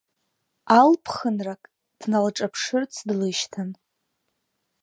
Алԥхынрак дналҿаԥшырц длышьҭан.